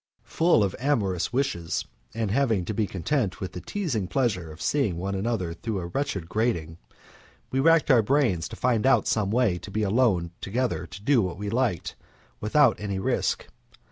Full of amorous wishes and having to be content with the teasing pleasure of seeing one another through a wretched grating, we racked our brains to find out some way to be alone together to do what we liked, without any risk.